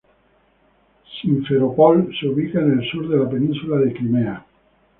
Simferópol se ubica en el sur de la península de Crimea.